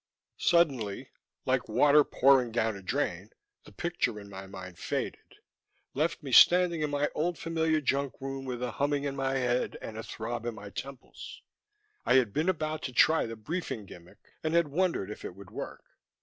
_ Suddenly, like water pouring down a drain, the picture in my mind faded, left me standing in my old familiar junk room, with a humming in my head and a throb in my temples. I had been about to try the briefing gimmick, and had wondered if it would work.